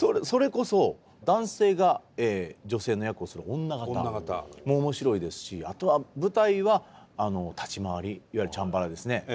それこそ男性が女性の役をする女形も面白いですしあとは舞台は立ち回りいわゆるチャンバラですね。